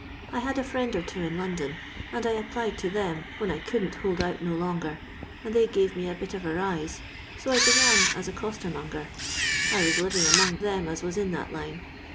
I had a friend or two in London, and I applied to them when I couldn't hold out no longer, and they gave me a bit of a rise, so I began as a costermonger. I was living among them as was in that line.